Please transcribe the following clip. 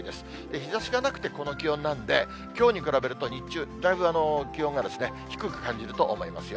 日ざしがなくて、この気温なんで、きょうに比べると日中、だいぶ気温が低く感じると思いますよ。